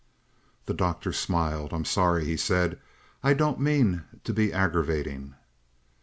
The Doctor smiled. "I'm sorry," he said, "I don't mean to be aggravating."